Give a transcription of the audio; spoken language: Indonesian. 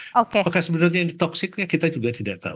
apakah sebenarnya ini toxicnya kita juga tidak tahu